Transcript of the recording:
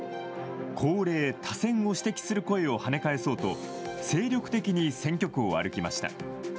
高齢・多選を指摘する声を跳ね返そうと精力的に選挙区を歩きました。